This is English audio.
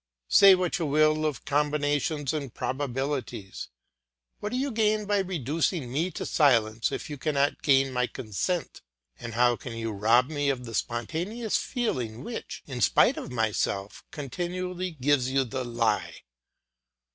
Say what you will of combinations and probabilities; what do you gain by reducing me to silence if you cannot gain my consent? And how can you rob me of the spontaneous feeling which, in spite of myself, continually gives you the lie?